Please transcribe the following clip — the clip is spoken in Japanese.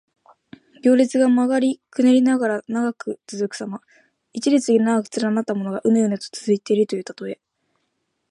行列が曲がりくねりながら長く続くさま。一列に長く連なったものが、うねうねと続いているというたとえ。